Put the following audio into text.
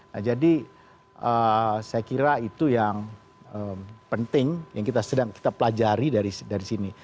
nah jadi saya kira itu yang penting yang kita sedang kita pelajari dari sini